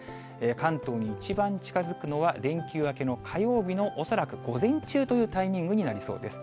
関東に一番近づくのは、連休明けの火曜日の恐らく午前中というタイミングになりそうです。